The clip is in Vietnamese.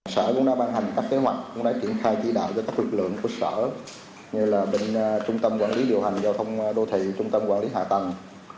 sở cũng đã ban hành các kế hoạch cũng đã triển khai chỉ đạo cho các lực lượng của sở như là bên trung tâm quản lý điều hành giao thông đô thị trung tâm quản lý hạ tầng